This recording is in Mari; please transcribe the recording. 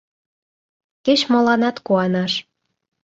Кеч-моланат куанаш.